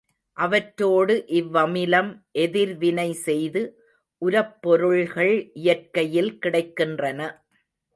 அவற்றோடு இவ்வமிலம் எதிர்வினை செய்து உரப்பொருள்கள் இயற்கையில் கிடைக்கின்றன.